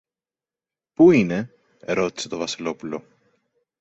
Πού είναι; ρώτησε το Βασιλόπουλο.